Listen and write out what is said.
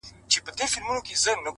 ايله چي شل!! له ځان سره خوارې کړې ده!!